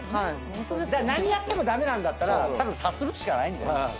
何やっても駄目なんだったらたぶんさするしかないんだよ。